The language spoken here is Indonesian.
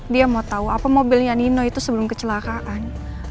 dia mau tahu apa mobilnya nino itu sebelum kecelakaan